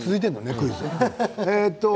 クイズ。